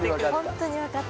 本当に分かった。